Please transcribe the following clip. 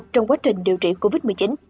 trong quá trình điều trị covid một mươi chín